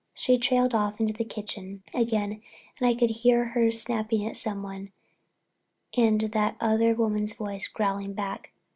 She trailed off into the kitchen again and I could hear her snapping at someone and that other woman's voice growling back.